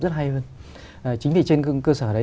rất hay hơn chính vì trên cơ sở đấy